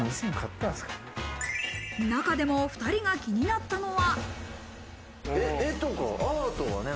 中でも２人が気になったのは。